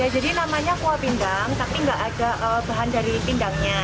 jadi namanya kuah pindang tapi tidak ada bahan dari pindangnya